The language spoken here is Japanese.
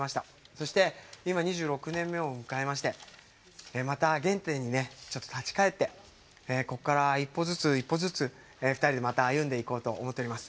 そして今２６年目を迎えましてまた、原点に立ち帰ってここから一歩ずつ一歩ずつ２人でまた歩んでいこうと思っております。